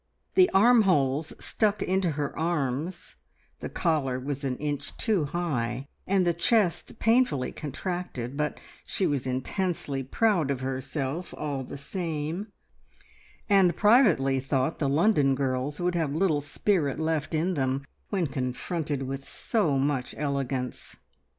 The armholes stuck into her arms, the collar was an inch too high, and the chest painfully contracted, but she was intensely proud of herself all the same, and privately thought the London girls would have little spirit left in them when confronted with so much elegance.